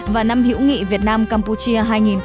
và năm hữu nghị việt nam campuchia hai nghìn một mươi chín